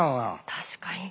確かに。